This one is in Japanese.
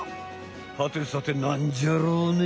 はてさてなんじゃろうね？